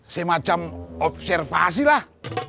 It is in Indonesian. semacam observasi lah